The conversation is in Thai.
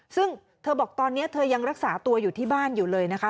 ซึ่งเธอบอกตอนนี้เธอยังรักษาตัวอยู่ที่บ้านอยู่เลยนะคะ